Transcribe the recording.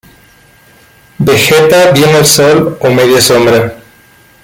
Vegeta bien al sol o media sombra.